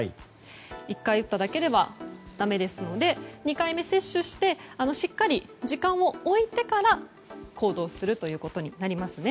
１回打っただけではだめですので２回目、接種してしっかり時間を置いてから行動するということになりますね。